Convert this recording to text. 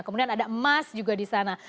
kemudian ada emas juga di sana